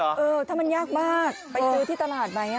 เออถ้ามันยากมากไปซื้อที่ตลาดไหม